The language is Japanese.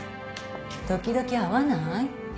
時々会わない？